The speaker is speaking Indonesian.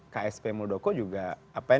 ksp muldoko juga apa yang